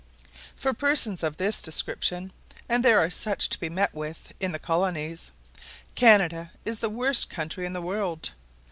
For persons of this description (and there are such to be met with in the colonies), Canada is the worst country in the world.